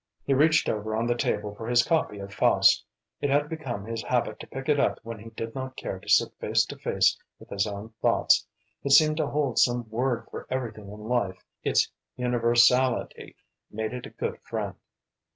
He reached over on the table for his copy of "Faust." It had become his habit to pick it up when he did not care to sit face to face with his own thoughts. It seemed to hold some word for everything in life. Its universality made it a good friend.